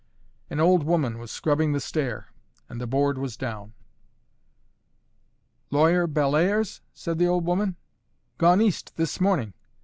An old woman was scrubbing the stair, and the board was down. "Lawyer Bellairs?" said the old woman. "Gone East this morning.